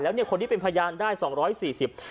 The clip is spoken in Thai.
แล้วเนี่ยคนนี้เป็นพยานได้๒๔๐บาท